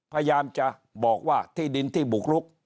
พยายามจะบอกว่าที่ดินที่บุกลุก